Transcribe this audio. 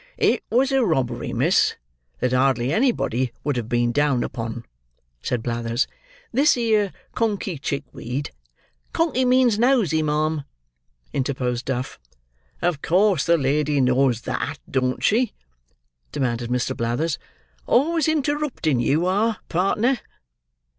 "It was a robbery, miss, that hardly anybody would have been down upon," said Blathers. "This here Conkey Chickweed—" "Conkey means Nosey, ma'am," interposed Duff. "Of course the lady knows that, don't she?" demanded Mr. Blathers. "Always interrupting, you are, partner!